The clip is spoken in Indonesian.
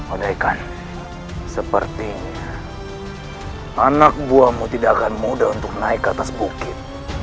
andaikan sepertinya anak buahmu tidak akan mudah untuk naik ke atas bukit